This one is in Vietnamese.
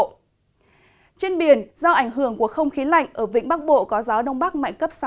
trên biển do ảnh hưởng của không khí lạnh ở vĩnh bắc bộ có gió đông bắc mạnh cấp sáu